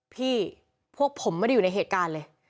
พวกผมไม่ได้อยู่ในเหตุการณ์เลย